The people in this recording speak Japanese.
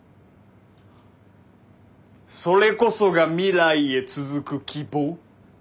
それこそが未来へ続く希望。